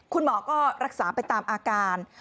คุณหมอก็รักษาไปตามอาการ